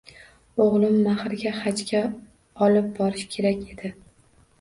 Oʻgʻlim mahrga Hajga olib borishi kerak edi.